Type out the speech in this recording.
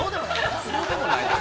◆そうでもないです。